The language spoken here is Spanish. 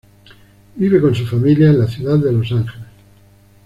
Vive con su familia en la ciudad de Los Ángeles.